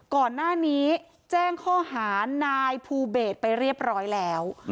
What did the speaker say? ก่อนหน้านี้แจ้งข้อหานายภูเบศไปเรียบร้อยแล้ว